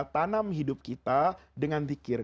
tanam hidup kita dengan zikir